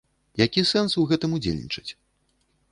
Які сэнс у гэтым удзельнічаць?